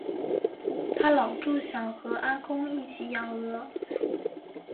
她老著想和阿公一起养鹅